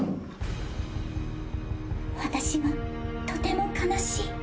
私はとても悲しい。